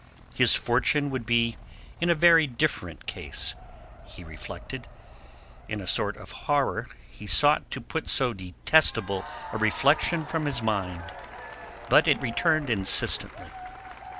His fortune would be in a very different case, he refected. In a sort of horror, he sought to put so detestable a reflection from his mind; but it returned insistently.